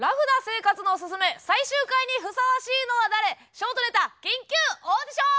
ショートネタ緊急オーディション！」。